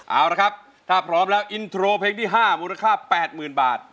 เอาละครับถ้าพร้อมแล้วอินโทรเพลงที่ห้ามูลค่าแปดหมื่นบาท